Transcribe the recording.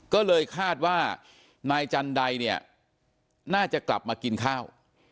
ก็เลยคาดว่านายจันไดเนี่ยน่าจะกลับมากินข้าว